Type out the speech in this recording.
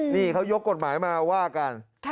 นี่เขายกกฎหมายมาว่ากัน